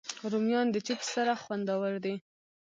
رومیان د چپس سره خوندور دي